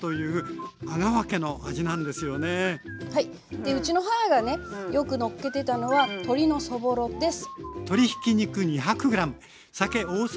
でうちの母がねよくのっけてたのは鶏のそぼろです。